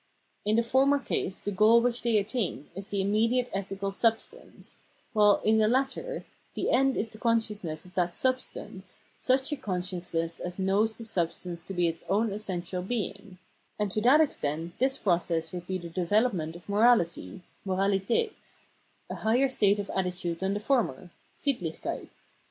In the former case the goal which they attain is the im mediate ethical substance ; while, in the latter, the end is the consciousness of that substance, such a con sciousness as knows the substance to be its own essential being ; and to that extent this process would be the development of morahty {Moralitdt), a higher state or attitude than the former (SittlichJceit).